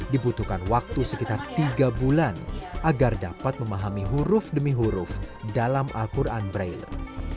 dibutuhkan waktu sekitar tiga bulan agar dapat memahami huruf demi huruf dalam al quran braille